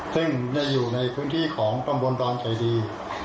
ซึ่งยังอยู่ในพื้นที่กลมบลดอนใจดี